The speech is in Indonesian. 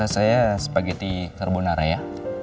saya spaghetti carbonara ya